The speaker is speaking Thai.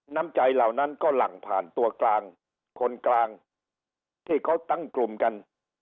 น้ำใจเหล่านั้นก็หลั่งผ่านตัวกลางคนกลางที่เขาตั้งกลุ่มกัน